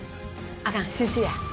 あかん、集中や。